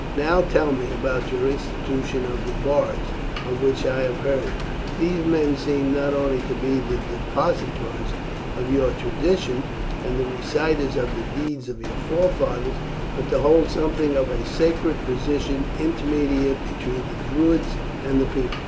Now tell me about your institution of the bards, of which I have heard. These men seem not only to be the depositors of your traditions and the reciters of the deeds of your forefathers, but to hold something of a sacred position intermediate between the Druids and the people."